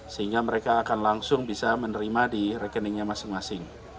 sehingga mereka akan langsung bisa menerima di rekeningnya masing masing